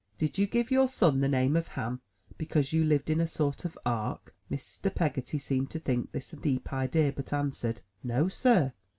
"Did you give your son the name of Ham, because you lived in a sort of Ark? " Mr. Peggotty seemed to think it a deep idea, but answered: "No, Sir.